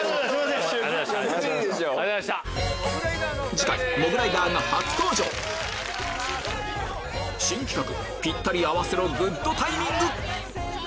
次回モグライダーが初登場新企画「ピッタリ合わせろグッドタイミング」